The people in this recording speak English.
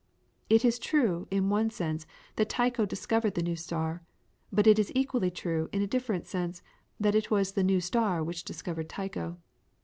It is true, in one sense, that Tycho discovered the new star, but it is equally true, in a different sense, that it was the new star which discovered Tycho.